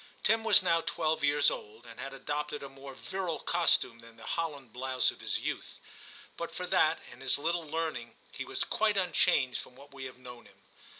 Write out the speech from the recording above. Tim was now twelve years old, and had adopted a more virile costume than the holland blouse of his youth. But for that and his little learning, he was quite un changed from what we have known him.